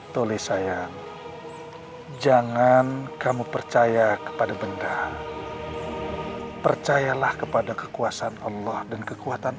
tulis saya jangan kamu percaya kepada benda percayalah kepada kekuasaan allah dan kekuatan